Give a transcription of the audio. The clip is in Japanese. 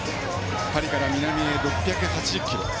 パリから南へ６８０ｋｍ程。